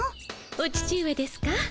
お父上ですか？